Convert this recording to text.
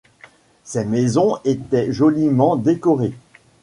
Ces maisons étaient joliment décorées.